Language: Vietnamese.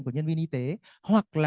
của nhân viên y tế hoặc là